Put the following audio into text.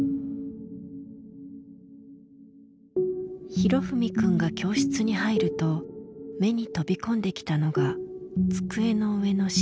裕史くんが教室に入ると目に飛び込んできたのが机の上の色紙。